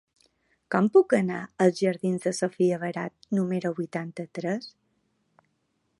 Com puc anar als jardins de Sofia Barat número vuitanta-tres?